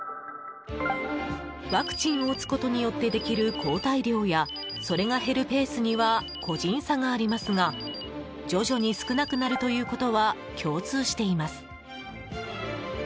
ワクチンを打つことによってできる抗体量やそれが減るペースには個人差がありますが徐々に少なくなるということは共通しています。